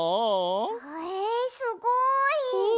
えすごい。